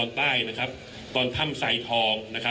คุณผู้ชมไปฟังผู้ว่ารัฐกาลจังหวัดเชียงรายแถลงตอนนี้ค่ะ